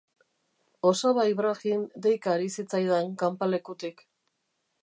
Osaba Ibrahim deika ari zitzaidan kanpalekutik.